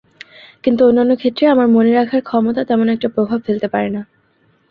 কিন্তু অন্যান্য ক্ষেত্রে আমার মনে রাখার ক্ষমতা তেমন একটা প্রভাব ফেলতে পারে না।